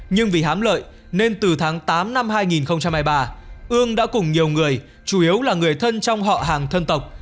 nhưng vì hám lợi nên từ tháng tám năm hai nghìn hai mươi ba ương đã cùng nhiều người chủ yếu là người thân trong họ hàng thân tộc